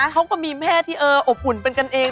เขาก็มีแม่ที่อบอุ่นเป็นกันเอง